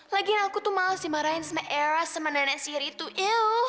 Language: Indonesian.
lagian aku tuh males dimarahin sama erah sama nanen siritu eww